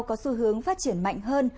có xu hướng phát triển mạnh hơn